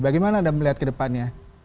bagaimana anda melihat ke depannya